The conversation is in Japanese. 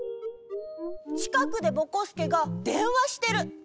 ちかくでぼこすけがでんわしてる。